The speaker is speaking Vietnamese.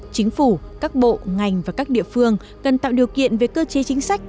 chính phủ các bộ ngành và các địa phương cần tạo điều kiện về cơ chế chính sách